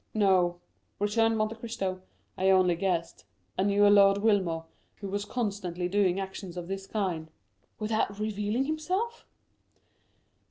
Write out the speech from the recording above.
"No," returned Monte Cristo "I only guessed. I knew a Lord Wilmore, who was constantly doing actions of this kind." "Without revealing himself?"